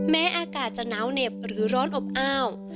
อากาศจะหนาวเหน็บหรือร้อนอบอ้าว